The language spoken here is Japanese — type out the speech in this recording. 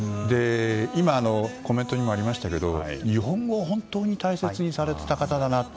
今、コメントにもありましたけど日本語を本当に大切にされていた方だなと。